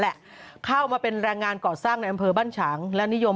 แหละเข้ามาเป็นแรงงานก่อสร้างในอำเภอบ้านฉางและนิยม